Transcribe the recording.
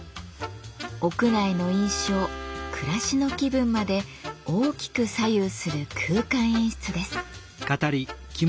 屋内の印象暮らしの気分まで大きく左右する空間演出です。